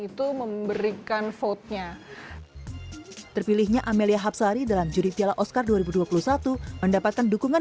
itu memberikan vote nya terpilihnya amelia hapsari dalam juri tiala oscar dua ribu dua puluh satu mendapatkan dukungan